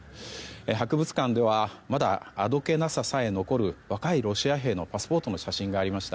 博物館ではまだあどけなささえ残る若いロシア兵のパスポートがありました。